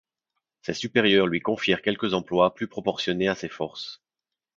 Ses supérieurs lui confièrent quelques emplois plus proportionnés à ses forces.